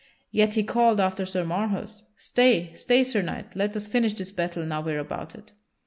Yet he called after Sir Marhaus: "Stay, stay, Sir Knight! Let us finish this battle now we are about it!"